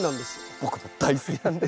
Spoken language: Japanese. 僕も大好きなんです。